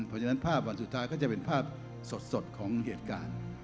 เพราะฉะนั้นภาพวันสุดท้ายก็จะเป็นภาพสดของเหตุการณ์